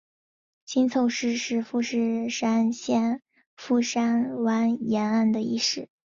新凑市是富山县富山湾沿岸的一市。